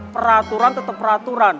peraturan tetep peraturan